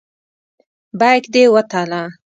بیک دې وتله.